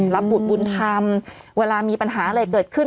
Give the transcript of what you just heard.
รับบุตรบุญธรรมเวลามีปัญหาอะไรเกิดขึ้น